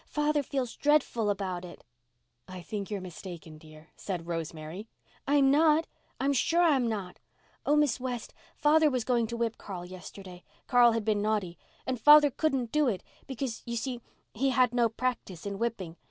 "Father feels dreadful about it." "I think you're mistaken, dear," said Rosemary. "I'm not. I'm sure I'm not. Oh, Miss West, father was going to whip Carl yesterday—Carl had been naughty—and father couldn't do it because you see he had no practice in whipping.